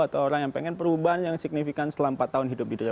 atau orang yang pengen perubahan yang signifikan selama empat tahun hidup di desa